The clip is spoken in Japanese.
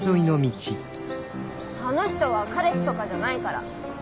あの人は彼氏とかじゃないから。